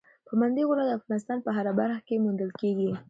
پابندی غرونه د افغانستان په هره برخه کې موندل کېږي.